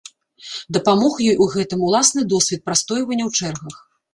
Дапамог ёй у гэтым уласны досвед прастойвання ў чэргах.